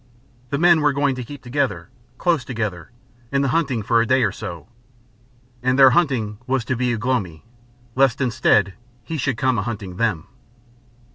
The men were going to keep together, close together, in the hunting for a day or so. And their hunting was to be Ugh lomi, lest instead he should come a hunting them.